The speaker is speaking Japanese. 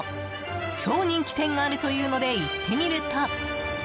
超人気店があるというので行ってみると。